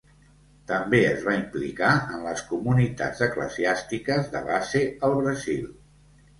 També es va implicar en les comunitats eclesiàstiques de base al Brasil.